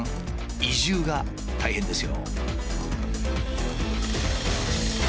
移住が大変ですよ。